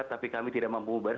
tapi kami tidak mampu